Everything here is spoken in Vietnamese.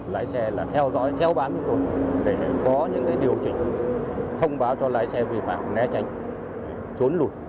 lái xe là theo dõi theo bán chúng tôi để có những cái điều chỉnh thông báo cho lái xe về phạm né tránh trốn lùi